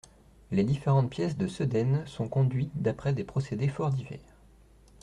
Les différentes pièces de Sedaine sont conduites d’après des procédés fort divers.